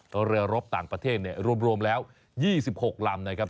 เพราะเรือรบต่างประเทศรวมแล้ว๒๖ลำนะครับ